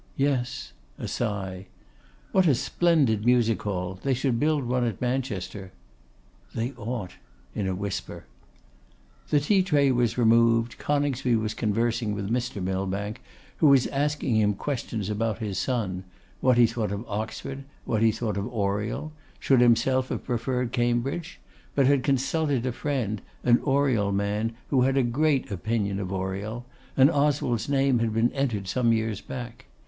'Yes:' a sigh. 'What a splendid music hall! They should build one at Manchester.' 'They ought,' in a whisper. The tea tray was removed; Coningsby was conversing with Mr. Millbank, who was asking him questions about his son; what he thought of Oxford; what he thought of Oriel; should himself have preferred Cambridge; but had consulted a friend, an Oriel man, who had a great opinion of Oriel; and Oswald's name had been entered some years back.